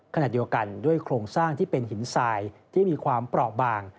ขณะเดียวกันด้วยโครงสร้างที่เป็นหินทรายที่มีความเปราะบาง